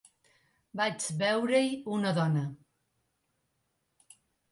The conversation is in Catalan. Vaig veure-hi una dona.